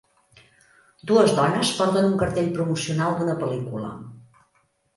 Dues dones porten un cartell promocional d'una pel·lícula.